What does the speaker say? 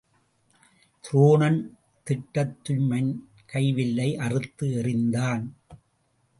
துரோணன் திட்டத்துய்மன் கை வில்லை அறுத்து எறிந்தான்.